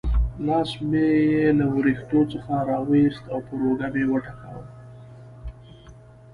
لاس مې یې له وریښتو څخه را وایست او پر اوږه مې وټکاوه.